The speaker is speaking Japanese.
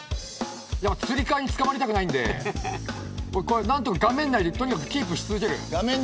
つり革につかまりたくないんで何とか画面内でとにかくキープし続ける。